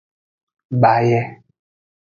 Baye.